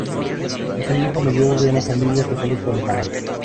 Es el hijo mayor de una familia católica alemana.